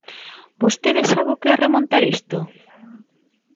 ¿Vostede sabe o que é remontar isto?